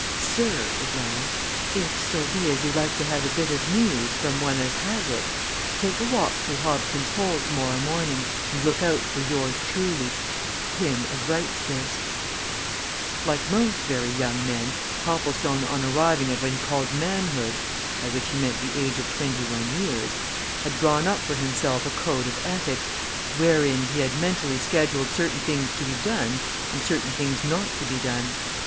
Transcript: "Sir," it ran, "_if so be as you'd like to have a bit of news from one as has it, take a walk through Hobkin's Hole tomorrow morning and look out for Yours truly Him as writes this_." Like most very young men Copplestone on arriving at what he called manhood (by which he meant the age of twenty one years), had drawn up for himself a code of ethics, wherein he had mentally scheduled certain things to be done and certain things not to be done.